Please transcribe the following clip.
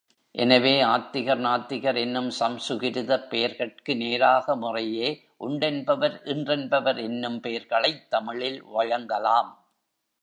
எனவே, ஆத்திகர், நாத்திகர் என்னும் சம்சுகிருதப் பெயர்கட்கு நேராக முறையே உண்டென்பவர், இன்றென்பவர் என்னும் பெயர்களைத் தமிழில் வழங்கலாம்.